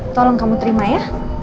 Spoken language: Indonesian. tolong kamu terima ya